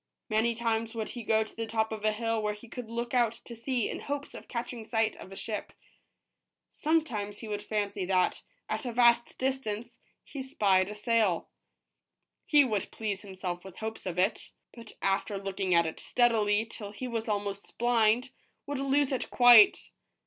Many times would he go to the top of a hill where he could look out to sea in hopes of catching sight of a ship. Sometimes he would fancy that, at a vast distance, he spied a sail. He would please himself with hopes of it, but after 141 ROBINSON CRUSOE. THE FOOT PRINTS IN THE SAND. looking at it steadily, till he was almost blind, would lose it quite.